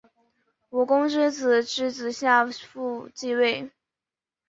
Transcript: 武公之子邾子夏父继位。